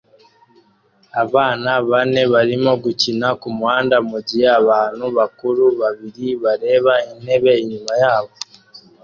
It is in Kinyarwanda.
Abana bane barimo gukina kumuhanda mugihe abantu bakuru babiri bareba intebe inyuma yabo